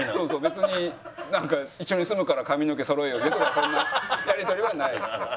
別に一緒に住むから髪の毛そろえようぜとかそんなやり取りはないですよ。